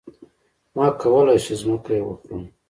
ما کولی شو ځمکه يې وخورمه.